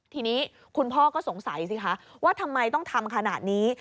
ทีนี้คุณพ่อก็สงสัยสิคะว่าทำไมต้องทำขนาดนี้